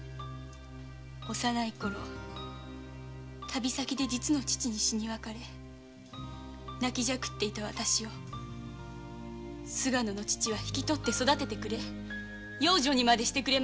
旅先で実の父と死に別れ泣きじゃくっていた私を菅野の父は引き取って育ててくれ養女にまでしてくれました。